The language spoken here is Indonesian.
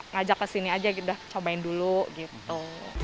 ngajak kesini aja udah cobain dulu gitu